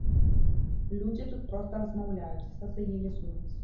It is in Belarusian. Людзі тут проста размаўляюць, сацыялізуюцца.